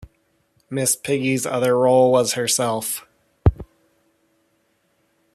Miss Piggy's other role was herself.